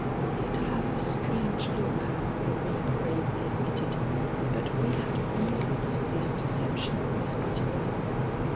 "It has a strange look," Loreen gravely admitted; "but we had reasons for this deception, Miss Butterworth.